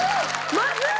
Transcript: まずい！